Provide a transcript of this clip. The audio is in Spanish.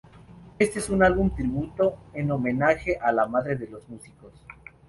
Este es un álbum tributo en homenaje a la madre de los músicos.